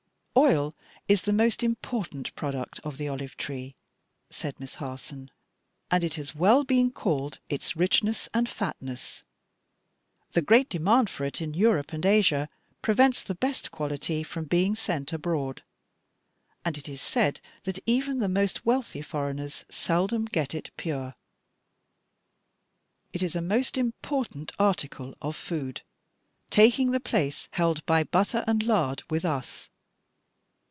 "Oil is the most important product of the olive tree," said Miss Harson, "and it has well been called its richness and fatness. The great demand for it in Europe and Asia prevents the best quality from being sent abroad, and it is said that even the most wealthy foreigners seldom get it pure. It is a most important article of food, taking the place held by butter and lard with us.